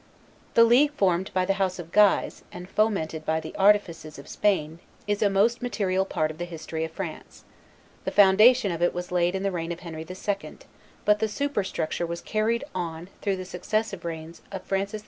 The league formed by the House of Guise, and fomented by the artifices of Spain, is a most material part of the history of France. The foundation of it was laid in the reign of Henry II., but the superstructure was carried on through the successive reigns of Francis II.